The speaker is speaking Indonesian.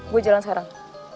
gue jalan sekarang